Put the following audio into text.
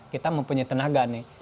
kita mempunyai tenaga nih